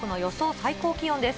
最高気温です。